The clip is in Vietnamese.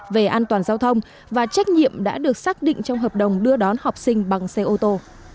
về an toàn giao thông và trách nhiệm đã được xác định trong hợp đồng đưa đón học sinh bằng xe ô tô